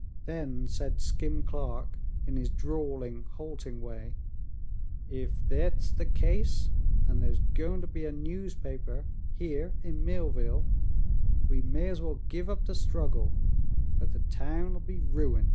Then said Skim Clark, in his drawling, halting way: "Ef thet's the case, an' there's goin' ter be a newspaper here in Millville, we may as well give up the struggle, fer the town'll be ruined!"